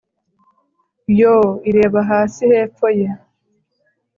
yoo! ireba hasi hepfo ye